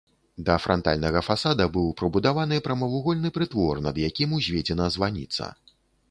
Да франтальнага фасада быў прыбудаваны прамавугольны прытвор, над якім узведзена званіца.